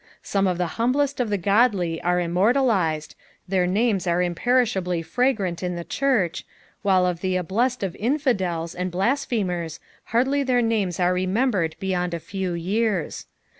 Bome of the humblest of the ^odXf are immortalised, their names are imperishabl? fragrant in Ihe cltlirch, while of the ablest of infidels and blaaphemers nardl; their names are remembered bejond a few years.